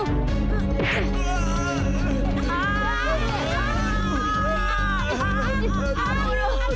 masi jalur bocey